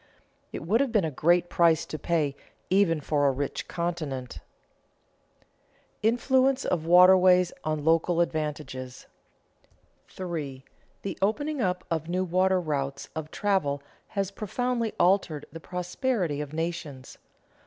It would have been a great price to pay, even for a rich continent. [Sidenote: Influence of waterways on local advantages] 3. _The opening up of new water routes of travel has profoundly altered the prosperity of nations.